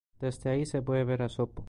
Desde allí se puede ver el Asopo.